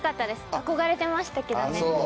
憧れてましたけどね。